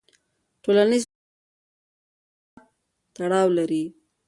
ټولنیز فکر د ټولنې له تاریخ سره تړاو لري.